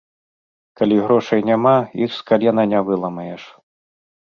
Калі грошай няма, іх з калена не выламаеш.